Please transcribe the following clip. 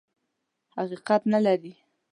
حقیقت نه لري.